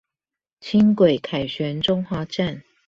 輕軌凱旋中華站